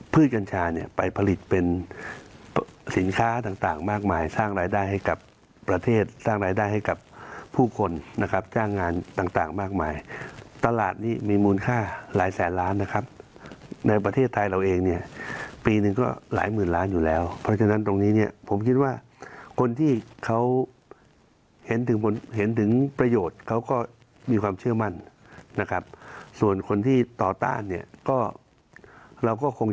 กัญชาเนี่ยไปผลิตเป็นสินค้าต่างมากมายสร้างรายได้ให้กับประเทศสร้างรายได้ให้กับผู้คนนะครับจ้างงานต่างมากมายตลาดนี้มีมูลค่าหลายแสนล้านนะครับในประเทศไทยเราเองเนี่ยปีหนึ่งก็หลายหมื่นล้านอยู่แล้วเพราะฉะนั้นตรงนี้เนี่ยผมคิดว่าคนที่เขาเห็นถึงผลเห็นถึงประโยชน์เขาก็มีความเชื่อมั่นนะครับส่วนคนที่ต่อต้านเนี่ยก็เราก็คง